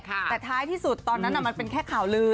แต่ท้ายที่สุดตอนนั้นมันเป็นแค่ข่าวลือ